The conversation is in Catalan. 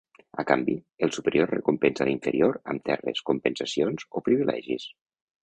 A canvi, el superior recompensa l'inferior amb terres, compensacions, o privilegis.